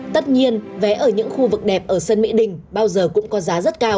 tất nhiên vé ở những khu vực đẹp ở sân mỹ đình bao giờ cũng có giá rất cao